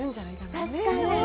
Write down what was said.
確かに。